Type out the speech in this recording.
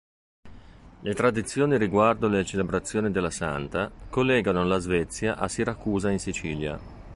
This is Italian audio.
La tradizione riguardo le celebrazioni della santa collegano la Svezia a Siracusa in Sicilia.